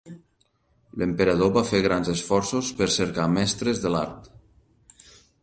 L'emperador va fer grans esforços per cercar mestres de l'art.